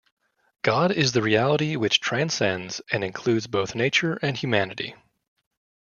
God is the reality which transcends and includes both nature and humanity.